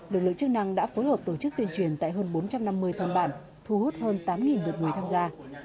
đội lực chức năng đã phối hợp tổ chức tuyên truyền tại hơn bốn trăm năm mươi thôn bản thu hút hơn tám được người tham gia